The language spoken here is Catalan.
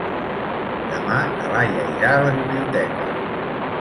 Demà na Laia irà a la biblioteca.